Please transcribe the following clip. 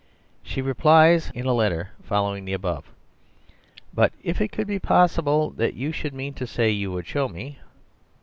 She replies in a letter following the above: "But if it could be possible that you should mean to say you would show me.